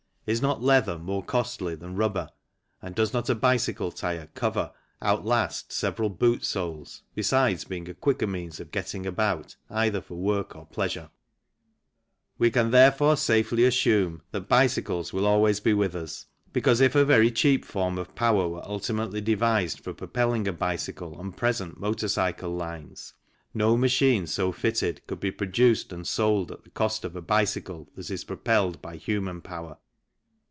Is not leather more costly than rubber and does not a bicycle tyre cover outlast several boot soles, besides being a quicker means of getting about, either for work or pleasure ? We can therefore safely assume that bicycles will always be with us, because if a very cheap form of power were ultimately devised for propelling a bicycle on present motor cycle lines, no machine so fitted could be produced and sold at the cost of a bicycle that is propelled by human power.